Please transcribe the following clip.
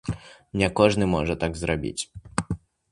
Не кожны можа так зрабіць.